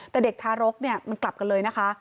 แต่เด็กทารกเนี่ยมันกลับกันเลยนะคะ